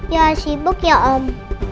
ya sibuk ya om